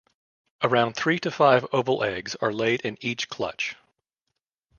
Around three to five oval eggs are laid in each clutch.